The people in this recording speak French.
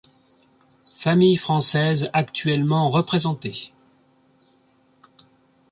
Famille française actuellement représentée.